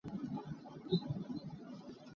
Lampi ah hliamkhuai an tong.